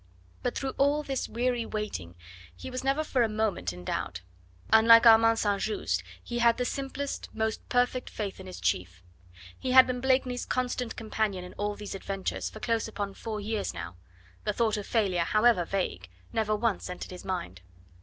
But through all this weary waiting he was never for a moment in doubt. Unlike Armand St. Just, he had the simplest, most perfect faith in his chief. He had been Blakeney's constant companion in all these adventures for close upon four years now; the thought of failure, however vague, never once entered his mind.